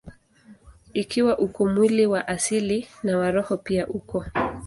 Ikiwa uko mwili wa asili, na wa roho pia uko.